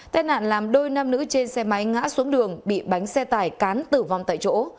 tai nạn làm đôi nam nữ trên xe máy ngã xuống đường bị bánh xe tải cán tử vong tại chỗ